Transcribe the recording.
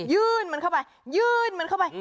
ยื่นมันเข้าไปยื่นมันเข้าไป